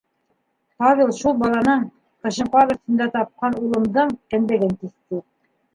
Павел шул баланың, ҡышын ҡар өҫтөндә тапҡан улымдың, кендеген киҫте.